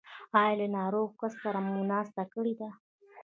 ایا له ناروغ کس سره مو ناسته کړې ده؟